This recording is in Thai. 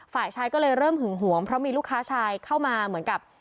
ฝ่ายชายก็เลยเริ่มหึงหวงเพราะมีลูกค้าชายเข้ามาเหมือนกับ